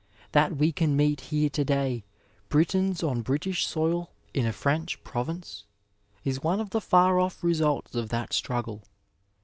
That we can meet here to day, Britons on British soil, in a French province, is one of the far off residts of that struggle.